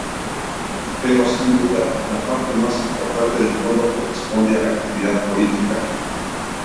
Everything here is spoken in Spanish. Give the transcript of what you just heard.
Pero, sin duda, la parte más importante del fondo corresponde a la actividad política.